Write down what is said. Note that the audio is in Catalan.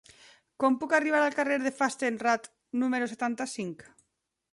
Com puc arribar al carrer de Fastenrath número setanta-cinc?